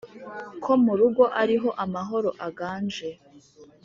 ko *mu rugo ariho amahoro aganje*.